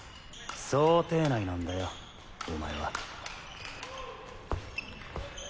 想定内なんだよお前は。